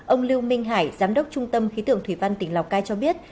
ông lưu minh hải giám đốc trung tâm khí tượng thủy văn tỉnh lào cai cho biết